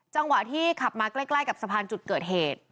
จังหวะที่ขับมาใกล้กับสะพานจุดเกิดเหตุ